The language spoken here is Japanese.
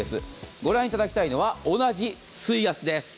ご覧いただきたいのは同じ水圧。